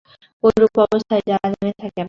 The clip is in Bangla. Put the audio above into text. ঐরূপ অবস্থায় জানাজানি থাকে না।